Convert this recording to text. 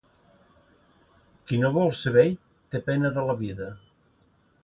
Qui no vol ser vell té pena de la vida.